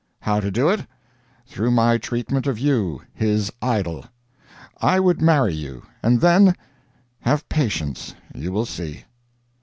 How to do it? Through my treatment of you, his idol! I would marry you; and then Have patience. You will see."